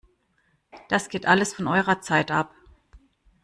Das geht alles von eurer Zeit ab!